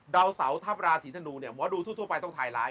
ดาวเสาทัพราศีธนูเนี่ยหมอดูทั่วไปต้องถ่ายไลน์